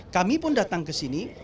kami pun datang kesini